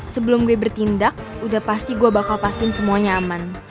sebelum gue bertindak udah pasti gue bakal pastiin semuanya aman